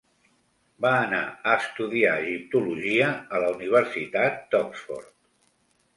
Va anar a estudiar egiptologia a la Universitat d'Oxford.